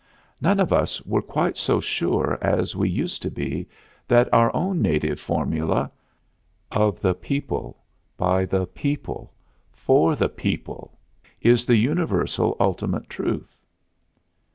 None of us were quite so sure as we used to be that our native formula, "Of the people, by the people, for the people," is the universal ultimate truth.